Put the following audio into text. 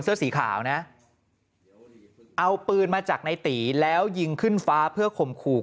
เสื้อสีขาวนะเอาปืนมาจากในตีแล้วยิงขึ้นฟ้าเพื่อข่มขู่